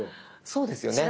そうですよね。